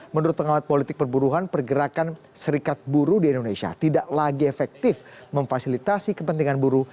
menurut pengawat politik perburuhan pergerakan serikat buruh di indonesia tidak lagi efektif memfasilitasi kepentingan buruh